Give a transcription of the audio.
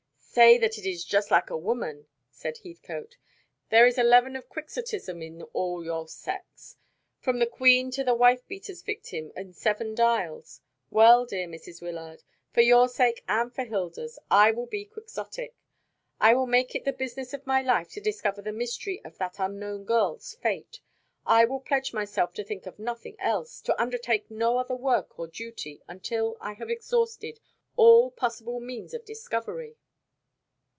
"Say that it is just like a woman," said Heathcote. "There is a leaven of Quixotism in all your sex, from the Queen to the wife beater's victim in Seven Dials. Well, dear Mrs. Wyllard, for your sake and for Hilda's, I will be Quixotic. I will make it the business of my life to discover the mystery of that unknown girl's fate. I will pledge myself to think of nothing else, to undertake no other work or duty until I have exhausted all possible means of discovery."